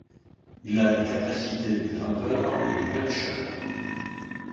Il a des capacités de grimpeur et de puncheur.